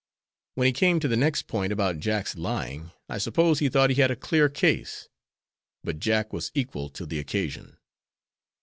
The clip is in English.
When he came to the next point, about Jack's lying, I suppose he thought he had a clear case; but Jack was equal to the occasion."